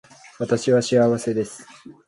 私は幸せです